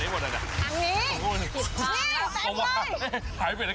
นี่ค่ะโกยมาโอ้โหขวานนี้รวบรวมมาจากทั่วประเทศนะฮะ